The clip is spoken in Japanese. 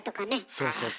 そうそうそう。